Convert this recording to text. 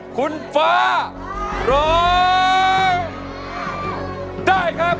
คุณฟ้าร้องได้ครับ